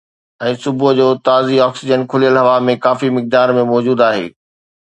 ۽ صبح جو، تازي آڪسيجن کليل هوا ۾ ڪافي مقدار ۾ موجود آهي